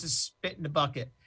ini adalah sebuah penjahat